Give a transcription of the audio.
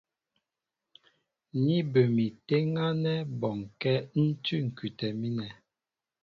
Ní bə mi téŋ ánɛ́ bɔnkɛ́ ń cʉ̂ ŋ̀kʉtɛ mínɛ.